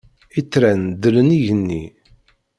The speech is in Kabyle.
Itran dlen igenni.